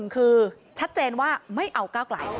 ๑คือชัดเจนว่าไม่เอาเก้ากล่าย